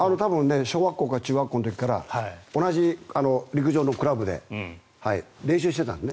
小学校か中学校の時から同じ陸上のクラブで練習してたんですね。